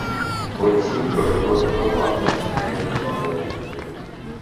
ঐচ্ছিক প্রোটোকল হল কনভেনশনের একটি সহায়ক চুক্তি।